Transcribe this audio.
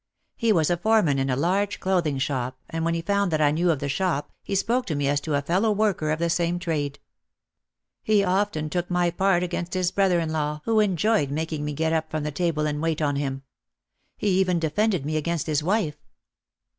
He was a foreman in a large clothing shop and when he found that I knew of the shop he spoke to me as to a fellow worker of the same trade. He often took my part against his brother in law who enjoyed making me get up from the table and wait on him. He even defended me against his wife.